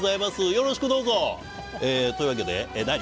よろしくどうぞ。というわけで何？